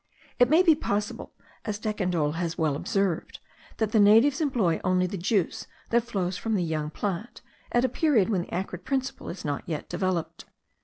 It may be possible, as Decandolle has well observed, that the natives employ only the juice that flows from the young plant, at a period when the acrid principle is not yet developed.